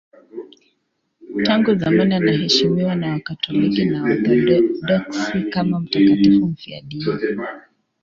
Tangu zamani anaheshimiwa na Wakatoliki na Waorthodoksi kama mtakatifu mfiadini.